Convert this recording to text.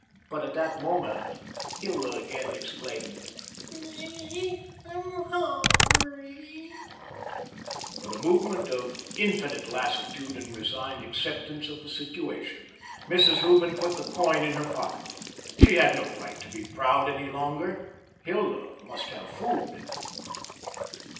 But at the moment, Hilda again exclaimed: "Mammy, I'm hungry." With a movement of infinite lassitude and resigned acceptance of the situation, Mrs. Hooven put the coin in her pocket. She had no right to be proud any longer. Hilda must have food.